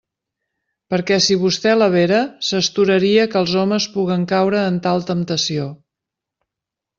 Perquè si vostè la vera, s'astoraria que els homes puguen caure en tal temptació.